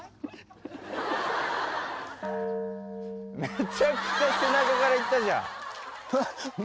めちゃくちゃ背中からいったじゃん。